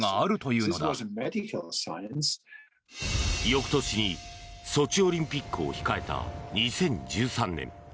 翌年にソチオリンピックを控えた２０１３年